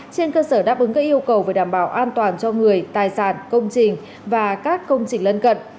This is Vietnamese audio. trên cơ sở đáp ứng các yêu cầu về đảm bảo an toàn cho người tài sản công trình và các công trình lân cận